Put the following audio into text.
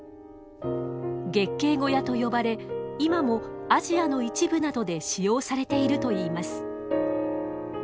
月経小屋と呼ばれ今もアジアの一部などで使用されているといいます。